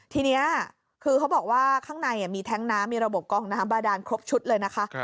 ทีนี้คือเขาบอกว่าข้างในมีแท้งน้ำมีระบบกองน้ำบาดานครบชุดเลยนะคะ